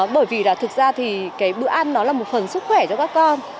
bởi vì là thực ra thì cái bữa ăn nó là một phần sức khỏe cho các con